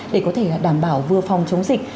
để có thể đảm bảo vừa phòng chống dịch